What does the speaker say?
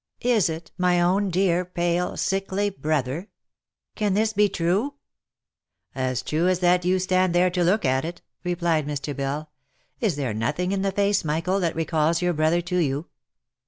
Is it my own dear, pale, sickly brother ? Can this be true ?" "As true as that you stand there to look at it," replied Mr. Bell. " Is there nothing in the face, Michael, that recalls vour brother to you?"